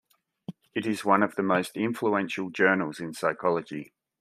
It is one of the most influential journals in psychology.